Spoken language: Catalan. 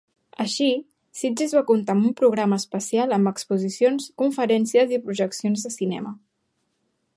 Així, Sitges va comptar amb un programa especial amb exposicions, conferències i projeccions de cinema.